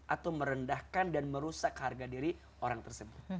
atau merendahkan dan merusak harga diri orang tersebut